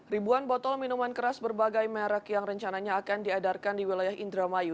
ribuan botol minuman keras berbagai merek yang rencananya akan diedarkan di wilayah indramayu